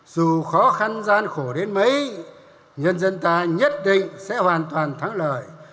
dù khó khăn gian khổ đến mấy nhân dân ta nhất định sẽ hoàn toàn thắng lợi